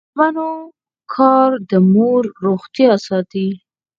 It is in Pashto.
د میرمنو کار د مور روغتیا ساتي.